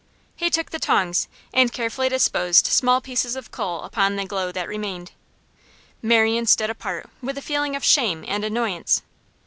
He took the tongs and carefully disposed small pieces of coal upon the glow that remained. Marian stood apart with a feeling of shame and annoyance.